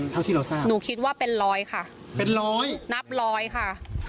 เท่าที่เราทราบหนูคิดว่าเป็นร้อยค่ะเป็นร้อยนับร้อยค่ะ